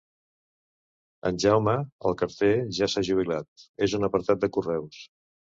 En Jaume el carter ja s'ha jubilat, és un apartat de correus.